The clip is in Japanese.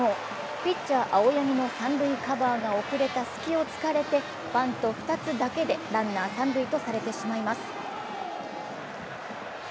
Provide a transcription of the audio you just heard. ピッチャー・青柳の三塁カバーが遅れた隙を突かれてバント２つだけでランナー三塁とされてしまいます。